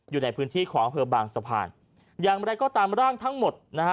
อยู่ในพื้นที่ของอำเภอบางสะพานอย่างไรก็ตามร่างทั้งหมดนะฮะ